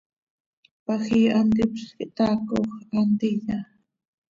Pajii hant ipzx quih taacoj, haa ntiya.